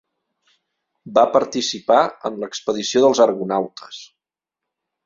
Va participar en l'expedició dels argonautes.